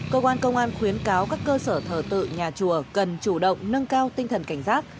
cơ quan công an khuyến cáo các cơ sở thờ tự nhà chùa cần chủ động nâng cao tinh thần cảnh giác